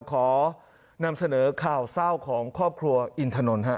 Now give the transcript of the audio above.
ขอนำเสนอข่าวเศร้าของครอบครัวอินถนน